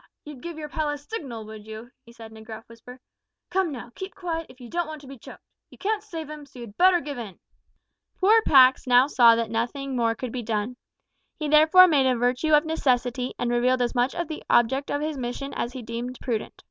you'd give your pal a signal, would you?" he said, in a gruff whisper. "Come now, keep quiet if you don't want to be choked. You can't save 'im, so you'd better give in." Poor Pax now saw that nothing more could be done. He therefore made a virtue of necessity, and revealed as much of the object of his mission as he deemed prudent.